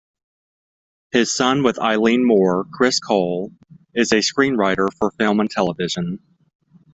His son with Eileen Moore, Cris Cole, is a screenwriter for film and television.